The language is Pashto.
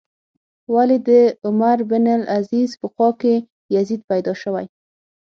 ولې د عمر بن عبدالعزیز په خوا کې یزید پیدا شوی.